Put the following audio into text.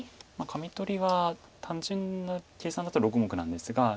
カミ取りは単純な計算だと６目なんですが。